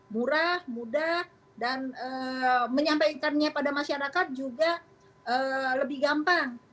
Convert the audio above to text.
murah mudah dan menyampaikannya pada masyarakat juga lebih gampang